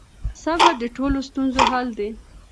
صبر د ټولو ستونزو حل دی.